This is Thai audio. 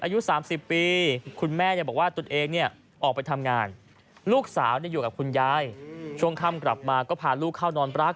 อายุ๓๐ปีคุณแม่เนี้ยบอกว่า